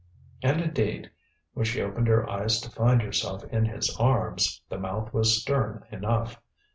And, indeed, when she opened her eyes to find herself in his arms, the mouth was stern enough.